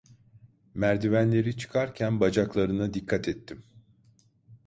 Merdivenleri çıkarken bacaklarına dikkat ettim.